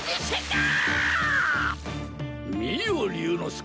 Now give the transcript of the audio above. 見よ竜之介！